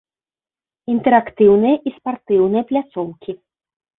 Інтэрактыўныя і спартыўныя пляцоўкі.